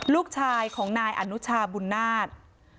ลูกชายของนายอนุชาบุญนาฏ